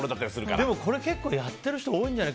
でもこれやっている人結構多いんじゃない？